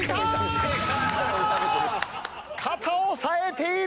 肩を押さえている！